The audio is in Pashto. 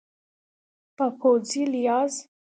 په پوځي لحاظ